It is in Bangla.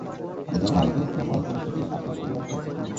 আমি তোর ভাইকে ব্যবহার করে তোকে, আর তোর পরিবারকে শেষ করে দিবো।